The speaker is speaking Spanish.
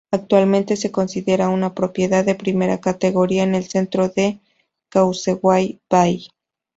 Actualmente se considera una propiedad de primera categoría en el centro de Causeway Bay.